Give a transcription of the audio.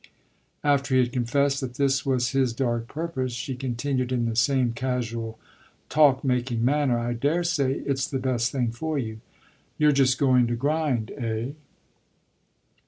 After he had confessed that this was his dark purpose she continued in the same casual, talk making manner: "I daresay it's the best thing for you. You're just going to grind, eh?"